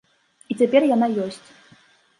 І цяпер яна ёсць.